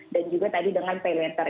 dan juga tadi dengan pay later